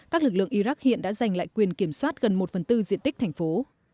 các lực lượng iraq hiện đã giành lại quyền kiểm soát gần một phần tư diện tích thành phố